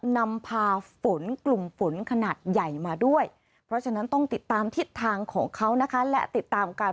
นำพาฝนกลุ่มฝนขนาดใหญ่มาด้วยเพราะฉะนั้นต้องติดตามทิศทางของเขานะคะและติดตามการ